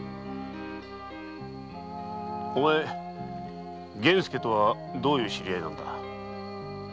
お前源助とはどういう知り合いなんだ？